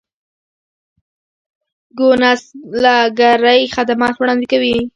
کونسلګرۍ خدمات وړاندې کوي